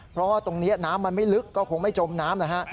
เพราะว่าตรงนี้น้ำมันไม่ลึกก็คงไม่จมน้ำแล้วฮะ